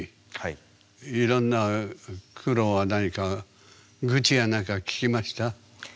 いろんな苦労は何か愚痴や何か聞きました？